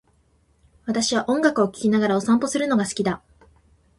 私は音楽を聴きながらお散歩をするのが好きだ。